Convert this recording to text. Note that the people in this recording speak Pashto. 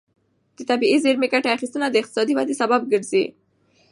د طبیعي زېرمې ګټه اخیستنه د اقتصادي ودې سبب ګرځي.